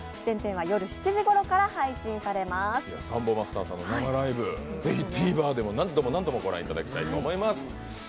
サンボマスターさんの生ライブ、ぜひＴＶｅｒで何度も何度も御覧いただきたいと思います。